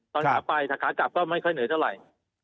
ขาไปถ้าขากลับก็ไม่ค่อยเหนื่อยเท่าไหร่